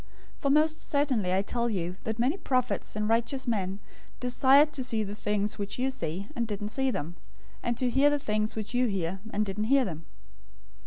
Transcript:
013:017 For most certainly I tell you that many prophets and righteous men desired to see the things which you see, and didn't see them; and to hear the things which you hear, and didn't hear them.